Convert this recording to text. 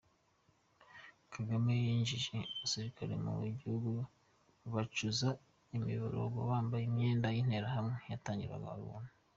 Kagame yinjije, abasirikare mu gihugu bacuza imiborogo bambaye imyenda y’interahamwe yatangirwaga ubuntu.